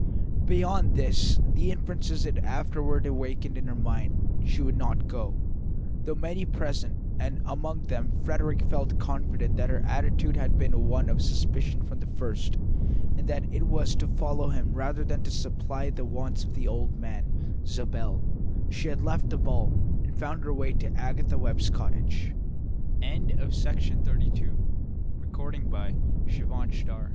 Beyond this, and the inferences it afterward awakened in her mind, she would not go, though many present, and among them Frederick, felt confident that her attitude had been one of suspicion from the first, and that it was to follow him rather than to supply the wants of the old man, Zabel, she had left the ball and found her way to Agatha Webb's cottage. XXXII WHY AGATHA WEBB WILL NEVER BE FORGOTTEN IN SUTHERLA